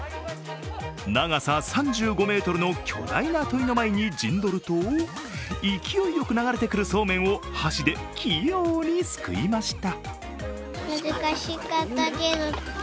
長さ３５ｍの巨大なといの前に陣取ると勢いよく流れてくるそうめんを箸で器用にすくいました。